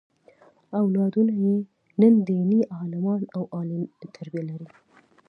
اولادونه یې نن دیني عالمان او عالي تربیه لري.